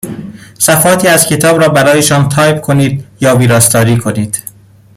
صفحاتی از کتاب را برایشان تایپ کنید یا ویراستاری کنید.